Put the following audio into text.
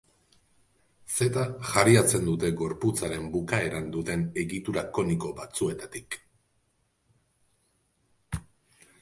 Zeta jariatzen dute gorputzaren bukaeran duten egitura koniko batzuetatik.